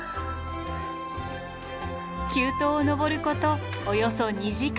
急登を登ることおよそ２時間。